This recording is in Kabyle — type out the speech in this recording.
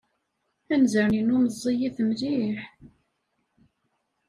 Anzaren-inu meẓẓiyit mliḥ.